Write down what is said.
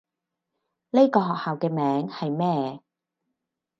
呢個學校嘅名係咩？